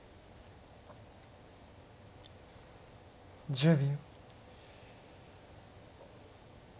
１０秒。